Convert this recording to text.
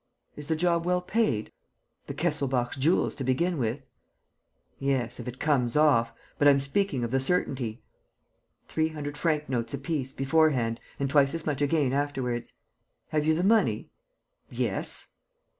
"Is the job well paid?" "The Kesselbach's jewels to begin with." "Yes, if it comes off ... but I'm speaking of the certainty." "Three hundred franc notes apiece, beforehand, and twice as much again afterwards." "Have you the money?" "Yes."